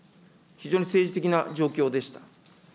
非常に政治的な状況でした。